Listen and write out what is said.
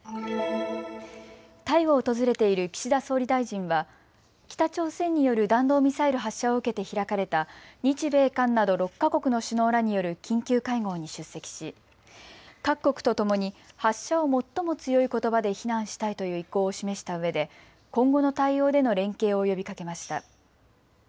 タイを訪れている岸田総理大臣は北朝鮮による弾道ミサイル発射を受けて開かれた日米韓など６か国の首脳らによる緊急会合に出席し各国とともに発射を最も強いことばで非難したいという意向を示したうえで今後の対応での連携を呼びかけました。